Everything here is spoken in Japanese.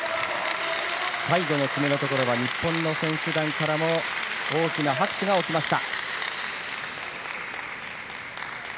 最後のところは日本の選手団からも大きな拍手が起きました。